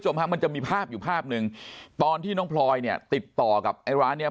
ฮะมันจะมีภาพอยู่ภาพหนึ่งตอนที่น้องพลอยเนี่ยติดต่อกับไอ้ร้านเนี้ย